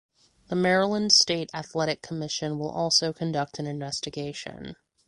The Maryland State Athletic Commission will also conduct an investigation.